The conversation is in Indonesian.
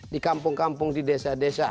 di kampung kampung di desa desa